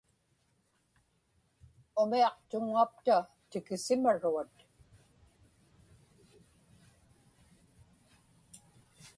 Umiaqtuŋŋapta tikisimaruat.